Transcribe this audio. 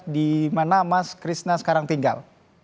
di mana mas krishna sekarang tinggal